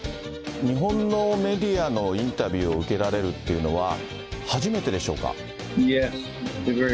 日本のメディアのインタビューを受けられるっていうのは、初めてでしょうか？